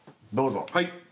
どうぞ。